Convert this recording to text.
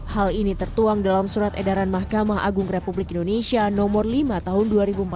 hal ini tertuang dalam surat edaran mahkamah agung republik indonesia nomor lima tahun dua ribu empat belas